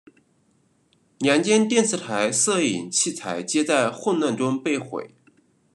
两间电视台摄影器材皆在混乱中被毁。